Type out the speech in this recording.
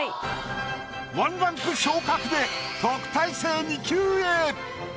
１ランク昇格で特待生２級へ！